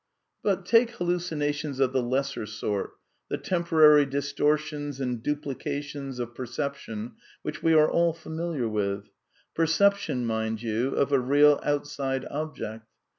But take hallucinations of the lesser sort, the temporary distortions and duplications of perception which we are all familiar with — perception, mind you, of a real outside object.